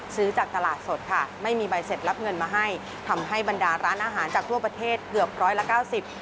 ซื้อจากตลาดสดค่ะไม่มีใบเสร็จรับเงินมาให้ทำให้บรรดาร้านอาหารจากทั่วประเทศเกือบร้อยละเก้าสิบ